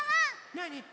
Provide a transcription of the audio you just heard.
なに？